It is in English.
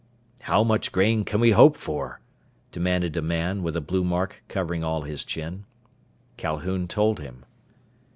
"How much grain can we hope for?" demanded a man with a blue mark covering all his chin. Calhoun told him.